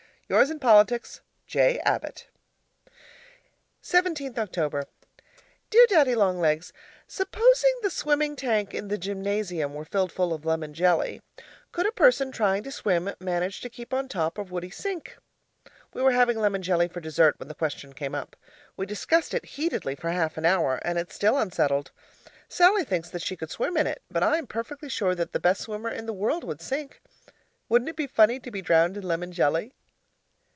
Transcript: Yours in politics, J. Abbott 17th October Dear Daddy Long Legs, Supposing the swimming tank in the gymnasium were filled full of lemon jelly, could a person trying to swim manage to keep on top or would he sink? We were having lemon jelly for dessert when the question came up. We discussed it heatedly for half an hour and it's still unsettled. Sallie thinks that she could swim in it, but I am perfectly sure that the best swimmer in the world would sink. Wouldn't it be funny to be drowned in lemon jelly?